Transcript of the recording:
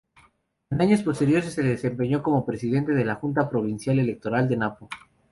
En años posteriores se desempeñó como presidente de la Junta Provincial Electoral de Napo.